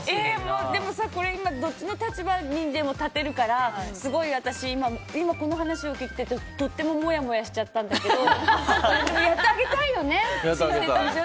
でもどっちの立場にも立てるから私、今この話を聞いてとってももやもやしちゃったんだけどやってあげたいよね。